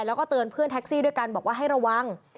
แล้วก็เตือนเพื่อนแท็กซี่ด้วยกันบอกว่าให้ระวัง